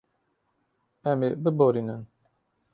Em ê biborînin.